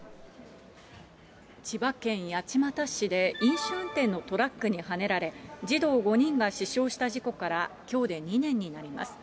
千葉県八街市で、飲酒運転のトラックにはねられ、児童５人が死傷した事故から、きょうで２年になります。